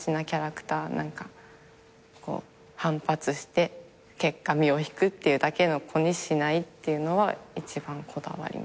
こう反発して結果身を引くっていうだけの子にしないっていうのは一番こだわりましたね。